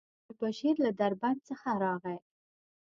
مولوي بشير له دربند څخه راغی.